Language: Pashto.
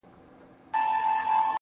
زه د هنرونو له کماله وځم_